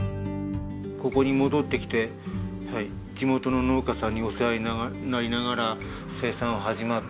ここに戻ってきて地元の農家さんにお世話になりながら生産が始まって。